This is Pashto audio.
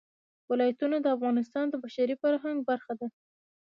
ولایتونه د افغانستان د بشري فرهنګ برخه ده.